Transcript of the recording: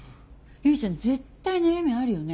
唯ちゃん絶対悩みあるよね？